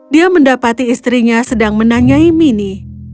dia mendapati istrinya sedang menanyai mini